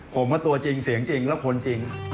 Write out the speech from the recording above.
ผมว่าตัวจริงเสียงจริงแล้วคนจริง